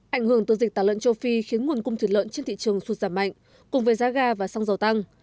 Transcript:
ảnh hưởng từ dịch tả lợn châu phi khiến nguồn cung thịt lợn trên thị trường sụt giảm mạnh cùng với giá ga và xăng dầu tăng